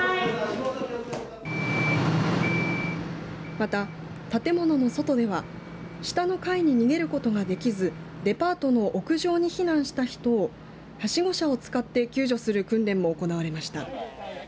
また建物の外では下の階に逃げることができずデパートの屋上に避難した人をはしご車を使って救助する訓練も行われました。